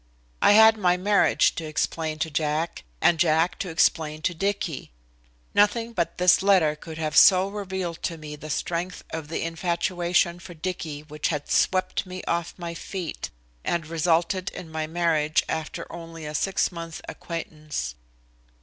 I had my marriage to explain to Jack, and Jack to explain to Dicky. Nothing but this letter could have so revealed to me the strength of the infatuation for Dicky which had swept me off my feet and resulted in my marriage after only a six months' acquaintance.